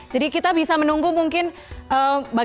jadi kita bisa menunggu mungkin bagaimana keramaian sahur di otawa